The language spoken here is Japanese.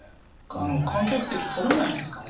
観客席、撮らないんですかね。